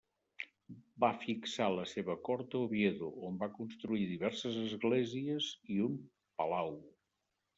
Va fixar la seva cort a Oviedo, on va construir diverses esglésies i un palau.